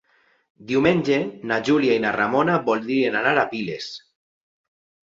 Diumenge na Júlia i na Ramona voldrien anar a Piles.